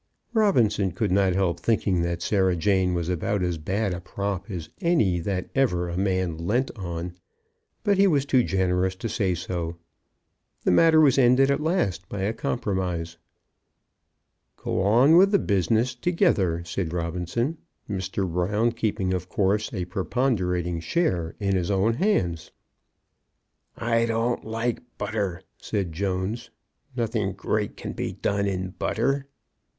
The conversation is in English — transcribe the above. Robinson could not help thinking that Sarah Jane was about as bad a prop as any that ever a man leant on; but he was too generous to say so. The matter was ended at last by a compromise. "Go on with the business together," said Robinson; "Mr. Brown keeping, of course, a preponderating share in his own hands." "I don't like butter," said Jones. "Nothing great can be done in butter."